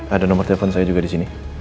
ada nomor telepon saya juga di sini